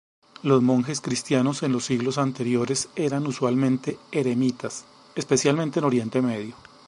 Los monjes cristianos en los siglos anteriores eran usualmente eremitas, especialmente en Oriente Medio.